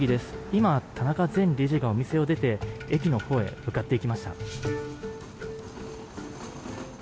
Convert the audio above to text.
今、田中前理事がお店を出て駅のほうへ向かっていきました。